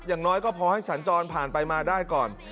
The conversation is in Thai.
อย่างน้อยก็พอให้สัญจรผ่านไปมาได้ก่อน